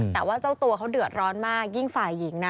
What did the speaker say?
แต่ว่าเจ้าตัวเขาเดือดร้อนมากยิ่งฝ่ายหญิงนะ